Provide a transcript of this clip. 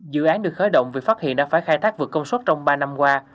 dự án được khởi động vì phát hiện đã phải khai thác vượt công suất trong ba năm qua